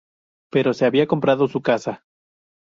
Pero se había comprado su casa.